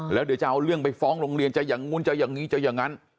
แล้วเดี๋ยวจะเอาเรื่องไปฟ้องโรงเรียนจะอย่างนู้นจะอย่างนี้จะอย่างนั้น